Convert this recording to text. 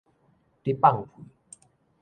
你放屁